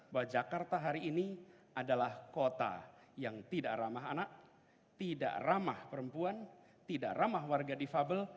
bahwa jakarta hari ini adalah kota yang tidak ramah anak tidak ramah perempuan tidak ramah warga difabel